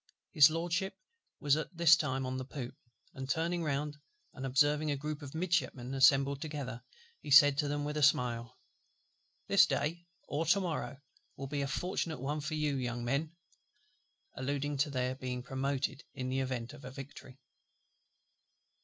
His LORDSHIP was at this time on the poop; and turning round, and observing a group of Midshipmen assembled together, he said to them with a smile, "This day or to morrow will be a fortunate one for you, young men," alluding to their being promoted in the event of a victory.